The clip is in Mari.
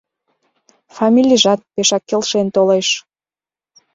Фамилийжат пешак келшен толеш.